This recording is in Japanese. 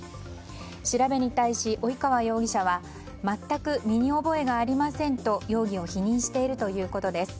調べに対し及川容疑者は全く身に覚えがありませんと容疑を否認しているということです。